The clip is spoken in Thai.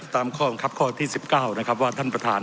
ตามข้อบังคับข้อที่๑๙นะครับว่าท่านประธาน